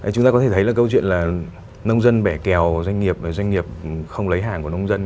chúng ta có thể thấy là câu chuyện là nông dân bẻ kèo doanh nghiệp doanh nghiệp không lấy hàng của nông dân